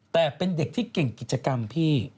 แต่เป็นเด็กที่เก่งกิจกรรมพี่